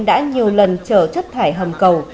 đã nhiều lần chở chất thải hầm cầu